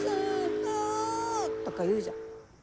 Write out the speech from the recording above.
う！」とか言うじゃん。